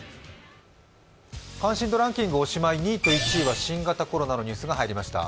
関心度ランキングおしまい２位と１位は新型コロナのニュースが入りました。